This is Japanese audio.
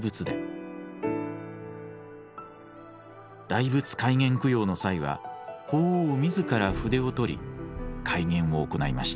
大仏開眼供養の際は法皇自ら筆を執り開眼を行いました。